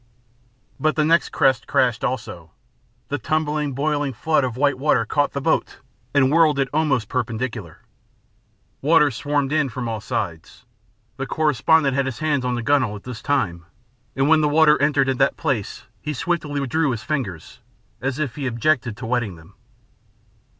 But the next crest crashed also. The tumbling, boiling flood of white water caught the boat and whirled it almost perpendicular. Water swarmed in from all sides. The correspondent had his hands on the gunwale at this time, and when the water entered at that place he swiftly withdrew his fingers, as if he objected to wetting them.